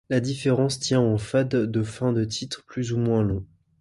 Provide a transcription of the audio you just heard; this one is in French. La différence tient au fade de fin de titre plus ou moins long.